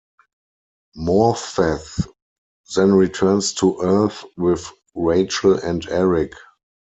Morpeth then returns to Earth with Rachel and Eric.